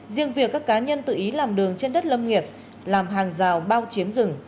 riêng việc các cá nhân tự ý làm đường trên đất lâm nghiệp làm hàng rào bao chiếm rừng